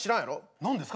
何ですか？